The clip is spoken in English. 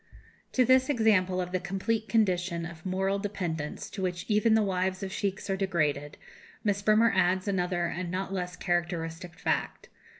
To this example of the complete condition of moral dependence to which even the wives of sheikhs are degraded, Miss Bremer adds another and not less characteristic fact.